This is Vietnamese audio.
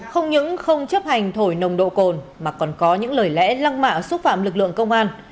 không những không chấp hành thổi nồng độ cồn mà còn có những lời lẽ lăng mạ xúc phạm lực lượng công an